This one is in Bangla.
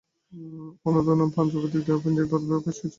অধুনা আমার পাঞ্চভৌতিক দেহপিঞ্জর পূর্বাপেক্ষা কিছু সুস্থ আছে।